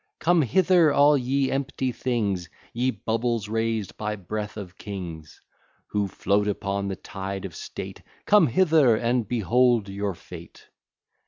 Come hither, all ye empty things! Ye bubbles raised by breath of kings! Who float upon the tide of state; Come hither, and behold your fate!